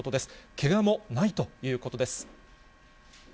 けがもないということです。